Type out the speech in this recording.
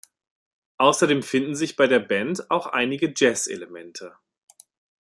Außerdem finden sich bei der Band auch einige Jazz-Elemente.